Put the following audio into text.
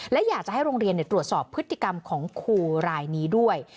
และอยากจะให้โรงเรียนตรวจสอบพฤติกรรมของครูรายนี้ด้วย